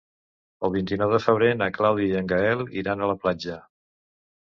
El vint-i-nou de febrer na Clàudia i en Gaël iran a la platja.